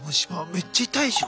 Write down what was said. めっちゃ痛いでしょ？